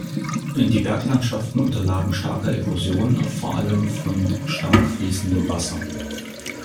Die Berglandschaften unterlagen starker Erosion, vor allem von stark fließendem Wasser.